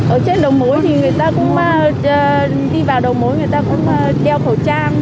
ở trên đầu mối thì người ta cũng đi vào đầu mối người ta cũng đeo khẩu trang